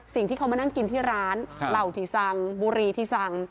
สิ่งที่เขามานั่งกินที่ร้านเหล่าที่สังบุรีที่สัง